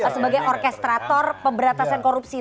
sebagai orkestrator pemberantasan korupsi